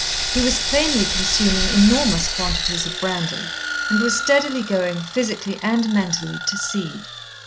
He was plainly consuming enormous quantities of brandy, and was steadily going, physically and mentally, to seed.